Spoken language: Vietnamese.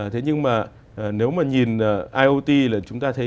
thế nhưng mà nếu mà nhìn iot là chúng ta thấy